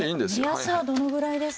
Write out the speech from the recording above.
目安はどのぐらいですか？